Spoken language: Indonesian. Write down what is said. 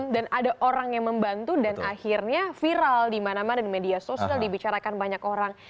dan ada orang yang membantu dan akhirnya viral di mana mana di media sosial dibicarakan banyak orang